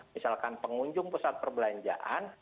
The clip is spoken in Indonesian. misalkan pengunjung pusat perbelanjaan